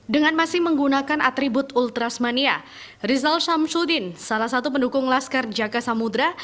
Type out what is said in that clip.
dengan masih menggunakan atribut ultrasmania rizal syamsudin salah satu pendukung laskar jaga samudera